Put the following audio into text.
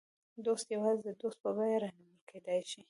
دوست یوازې د دوستۍ په بیه رانیول کېدای شي.